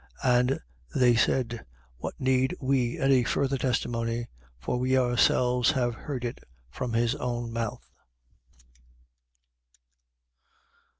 22:71. And they said: What need we any further testimony? For we ourselves have heard it from his own mouth.